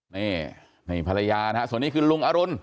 นี่นี่ภรรยานศักดีคือลุงอรุณ